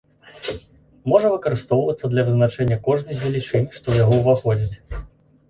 Можа выкарыстоўвацца для вызначэння кожнай з велічынь, што ў яго ўваходзяць.